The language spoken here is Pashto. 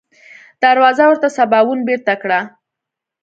دروازه ورته سباوون بېرته کړه.